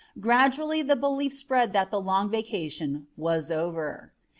Gradually the belief spread that the long vacation was over.